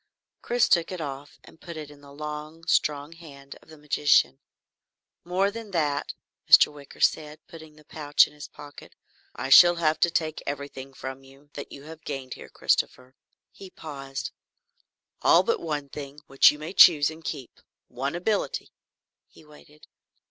Chris took it off and put it in the long, strong hand of the magician. "More than that," Mr. Wicker said, putting the pouch in his pocket, "I shall have to take everything from you that you have gained here, Christopher." He paused. "All but one thing which you may choose and keep one ability." He waited.